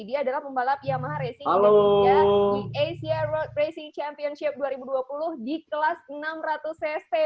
dia adalah pembalap yamaha racing championship dua ribu dua puluh di asia world racing championship dua ribu dua puluh di kelas enam ratus cc